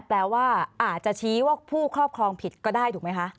แปลว่าอาจจะชี้ว่าผู้ครอบครองผิดก็ได้ถูกไหมคะ